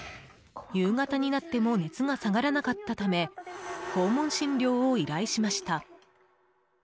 夕方になっても熱が下がらなかったため訪問診療を依頼しました。